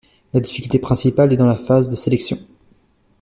La difficulté principale est dans la phase de sélection.